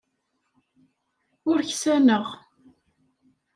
Ur ksaneɣ.